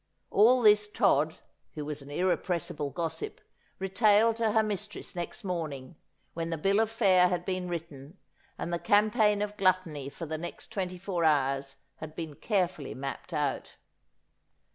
AU this Todd, who was an irrepressible gossip, retailed to her mistress next morning, when the bill of fare had been written, and the cam paign of gluttony for the next twenty four hours had been care fully mapped out.